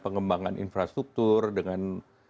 pengembangan infrastruktur dengan